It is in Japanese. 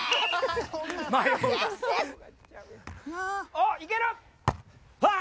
おっいける！